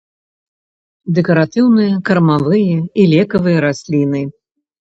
Дэкаратыўныя, кармавыя і лекавыя расліны.